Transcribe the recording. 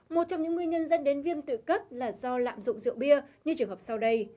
một trong những nguyên nhân dẫn đến viêm tự cấp là do lạm dụng rượu bia như trường hợp sau đây